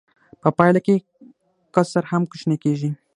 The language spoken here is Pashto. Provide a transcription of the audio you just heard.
په پایله کې کسر هم کوچنی کېږي